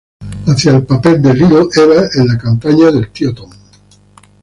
Hacía el papel de "Little Eva" en "La cabaña del tío Tom".